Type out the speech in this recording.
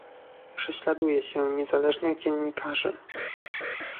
Prześladuje się niezależnych dziennikarzy